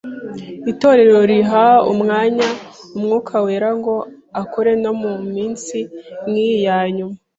Itorero riha umwanya Umwuka Wera ngo akore no mu minsi nkiyi ya nyuma.